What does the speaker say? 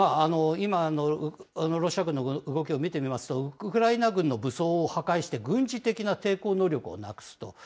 今、ロシア軍の動きを見てみますと、ウクライナ軍の武装を破壊して、軍事的な抵抗能力をなくすと。